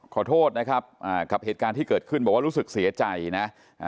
ขอโทษนะครับอ่ากับเหตุการณ์ที่เกิดขึ้นบอกว่ารู้สึกเสียใจนะ